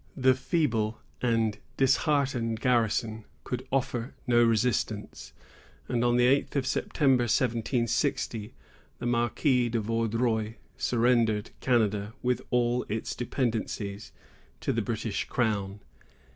The feeble and disheartened garrison could offer no resistance, and on the eighth of September, 1760, the Marquis de Vaudreuil surrendered Canada, with all its dependencies, to the British crown.